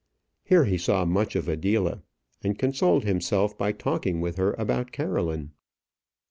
Here he saw much of Adela; and consoled himself by talking with her about Caroline.